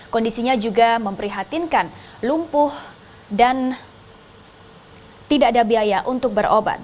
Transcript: kondisinya juga memprihatinkan lumpuh dan tidak ada biaya untuk berobat